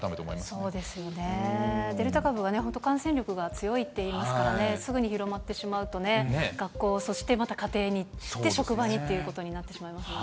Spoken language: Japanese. そうですよね、デルタ株は本当感染力が強いっていいますからね、すぐに広まってしまうとね、学校、そしてまた家庭にいって、職場にということになってしまいますからね。